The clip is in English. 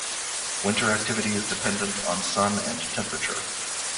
Winter activity is dependent on sun and temperature.